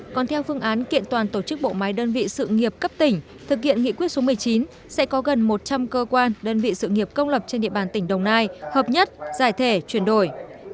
còn theo phương án kiện toàn tổ chức bộ máy đơn vị sự nghiệp cấp tỉnh thực hiện nghị quyết số một mươi chín sẽ có gần một trăm linh cơ quan đơn vị sự nghiệp công lập trên địa bàn tỉnh đồng nai hợp nhất giải thể chuyển đổi